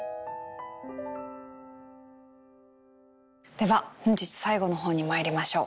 では本日最後の本にまいりましょう。